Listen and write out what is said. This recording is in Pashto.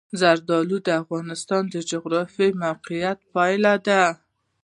زردالو د افغانستان د جغرافیایي موقیعت پایله ده.